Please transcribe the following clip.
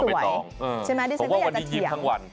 บอกว่าดิฉันสวยใช่มะเดี๋ยวจะเทียม